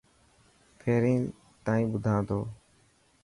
پهرين تائن ٻڌان ٿو.